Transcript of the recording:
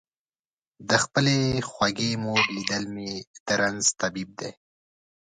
د خپلې خوږ مور لیدل مې د رنځ طبیب دی.